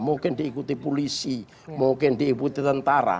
mungkin diikuti polisi mungkin diikuti tentara